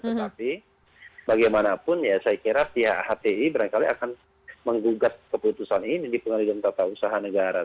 tetapi bagaimanapun ya saya kira pihak hti barangkali akan menggugat keputusan ini di pengadilan tata usaha negara